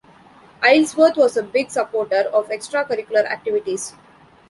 Aylesworth was a big supporter of extracurricular activities.